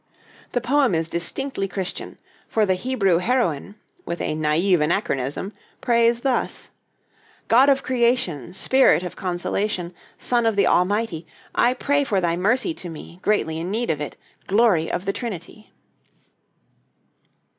The poem is distinctly Christian; for the Hebrew heroine, with a naïve anachronism, prays thus: "God of Creation, Spirit of Consolation, Son of the Almighty, I pray for Thy mercy to me, greatly in need of it. Glory of the Trinity."